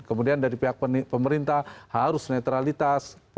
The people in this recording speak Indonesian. kemudian dari pihak pemerintah harus netralitas